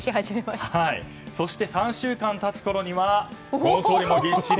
そして、３週間経つころにはこのとおり、ぎっしり。